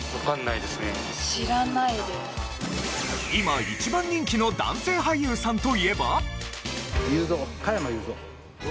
今一番人気の男性俳優さんといえば？